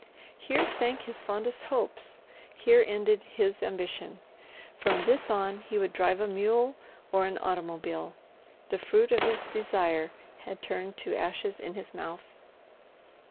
Here sank his fondest hopes, here ended his ambition. From this on he would drive a mule or an automobile. The fruit of his desire had turned to ashes in his mouth.